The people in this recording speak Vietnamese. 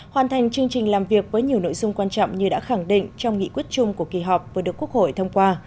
hoàn thành chương trình làm việc với nhiều nội dung quan trọng như đã khẳng định trong nghị quyết chung của kỳ họp vừa được quốc hội thông qua